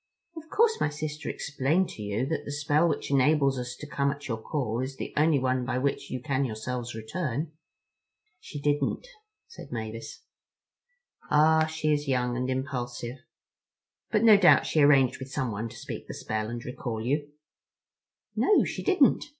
"Of course my sister explained to you that the spell which enables us to come at your call is the only one by which you can yourselves return." "She didn't," said Mavis. "Ah, she is young and impulsive. But no doubt she arranged with someone to speak the spell and recall you?" "No, she didn't.